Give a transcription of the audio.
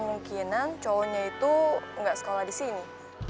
dia bilangnya kemungkinan cowoknya itu gak sekolah disini